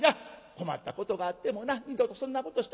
困ったことがあってもな二度とそんなことしたらいかん。